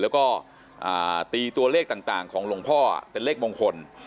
แล้วก็ตีตัวเลขต่างของหลวงพ่อเป็นเลขมงคล